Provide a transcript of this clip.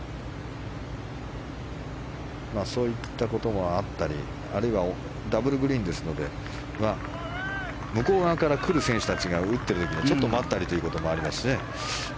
そういったこともあったりあるいはダブルグリーンですので向こう側から来る選手たちが打っている時にはちょっと待ったりということもありますしね。